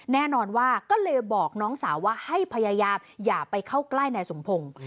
แน่นอนว่าก็เลยบอกน้องสาวว่าให้พยายามอย่าไปเข้าใกล้นายสมพงศ์